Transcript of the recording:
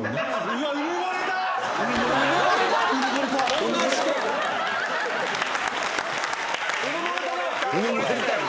うぬぼれたな？